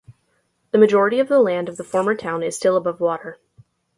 The majority of the land of the former town is still above water.